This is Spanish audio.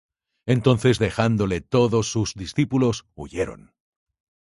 Entonces dejándole todos sus discípulos, huyeron.